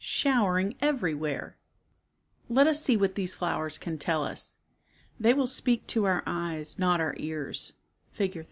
Showering everywhere ! Let us see what these flowers can tell us. They will speak to our eyes not our ears (Fig.